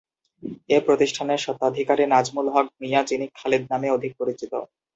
এ প্রতিষ্ঠানের স্বত্বাধিকারী নাজমুল হক ভূঁইয়া যিনি "খালেদ" নামে অধিক পরিচিত।